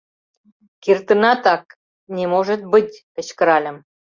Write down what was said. — Кертынатак!» — «Не может быть! — кычкыральым.